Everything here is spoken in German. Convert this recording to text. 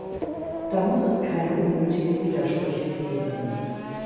Da muss es keine unnötigen Widersprüche geben.